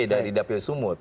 dari dapil sumut